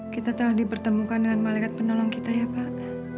kita telah dipertemukan dengan malaikat penolong kita ya pak